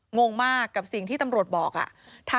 งงมากกับสิ่งที่ตำรวจบอก